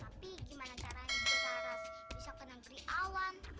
hmm ini yang namanya negeri awan